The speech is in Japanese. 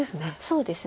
そうですね。